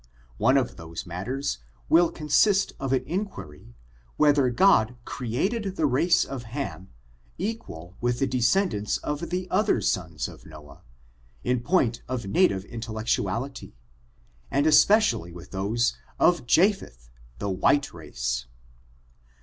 One of those matters will consist of an inquiry, whether God created the race of Ham, equal with the descendants of the other sons of Noah, in point of native intellectuaUty, and especially, with those of Japheth, the white race.